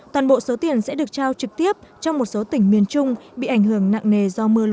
toàn bộ số tiền sẽ được trao trực tiếp cho một số tỉnh miền trung bị ảnh hưởng nặng nề do mưa lũ